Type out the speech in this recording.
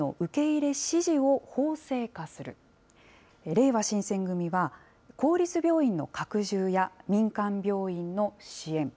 れいわ新選組は、公立病院の拡充や民間病院の支援。